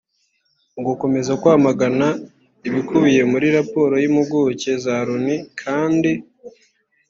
Mu gukomeza kwamagana ibikubiye muri raporo y’impuguke za Loni kandi